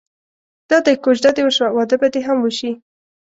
دادی کوژده دې وشوه واده به دې هم وشي.